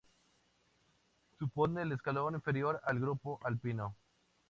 Supone el escalón inferior al grupo alpino.